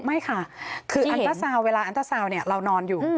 ไม่ค่ะคืออันตราซาวน์เวลาอันเตอร์ซาวน์เรานอนอยู่